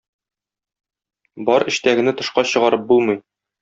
Бар эчтәгене тышка чыгарып булмый.